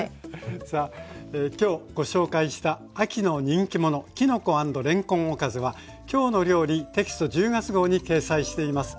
さあ今日ご紹介した秋の人気ものきのこ＆れんこんおかずは「きょうの料理」テキスト１０月号に掲載しています。